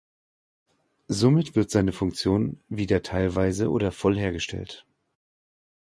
Somit wird seine Funktion wieder teilweise oder voll hergestellt.